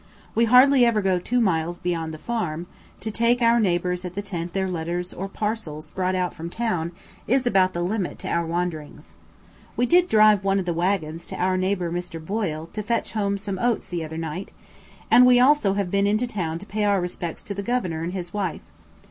We hardly ever go two miles beyond the farm; to take our neighbours at the tent their letters or parcels brought out from town, is about the limit to our wanderings. We did drive one of the waggons to our neighbour Mr. Boyle to fetch home some oats the other night, and we also have been into town to pay our respects to the Governor and his wife.